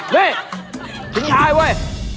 นี่ถิ่นท้ายโว้ย